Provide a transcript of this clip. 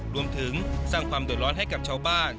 รวมถึงสร้างความเดือดร้อนให้กับชาวบ้าน